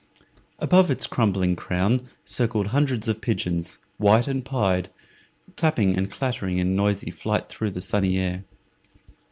Above its crumbling crown circled hundreds of pigeons, white and pied, clapping and clattering in noisy flight through the sunny air.